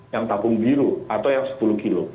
yang tabung biru atau yang sepuluh kilo